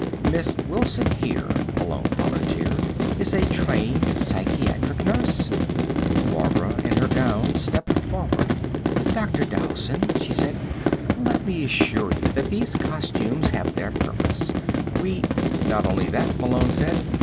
"Miss Wilson here," Malone volunteered, "is a trained psychiatric nurse." Barbara, in her gown, stepped forward. "Dr. Dowson," she said, "let me assure you that these costumes have their purpose. We " "Not only that," Malone said.